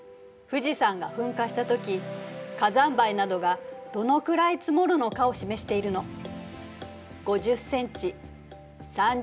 富士山が噴火したとき火山灰などがどのくらい積もるのかを示しているの。